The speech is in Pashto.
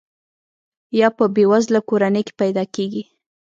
یا په بې وزله کورنۍ کې پیدا کیږي.